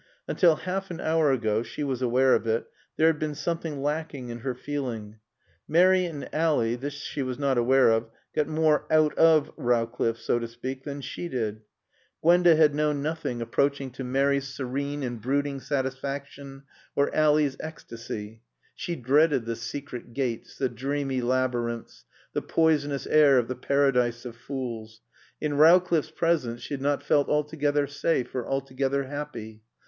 Until half an hour ago (she was aware of it) there had been something lacking in her feeling. Mary and Ally (this she was not aware of) got more "out of" Rowcliffe, so to speak, than she did. Gwenda had known nothing approaching to Mary's serene and brooding satisfaction or Ally's ecstasy. She dreaded the secret gates, the dreamy labyrinths, the poisonous air of the Paradise of Fools. In Rowcliffe's presence she had not felt altogether safe or altogether happy.